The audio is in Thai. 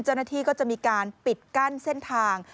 เจ้าหน้าที่ก็จะมีการปิดกั้นเส้นทาง